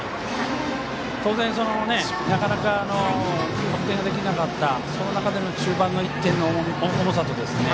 当然、なかなか得点ができなかったその中での中盤の１点の重さ。